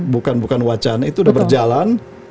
bukan bukan wacana itu udah berjalan